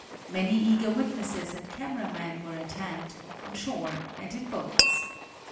Many eager witnesses and camera men were at hand, on shore and in boats.